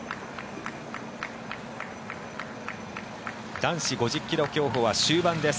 男子５０ｋｍ競歩は終盤です。